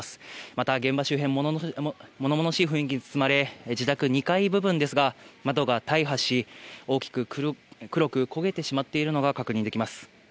また現場周辺、物々しい雰囲気に包まれ、自宅の２階部分ですが、窓が大破し大きく黒く焦げてしまっているのが確認できます。